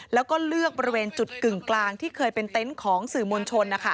แล้วก็เลือกบริเวณจุดกึ่งกลางที่เคยเป็นเต็นต์ของสื่อมวลชน